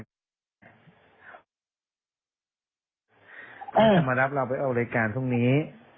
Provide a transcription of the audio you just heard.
เขาจะมารับเราไปออกรายการพรุ่งนี้